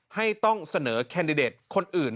ให้ต้องเสนอแคนดิเดตคนอื่น